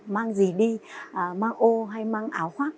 mang gì đi mang ô hay mang áo khoác